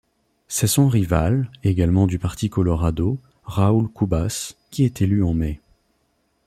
C'est son rival, également du parti Colorado, Raùl Cubas, qui est élu en mai.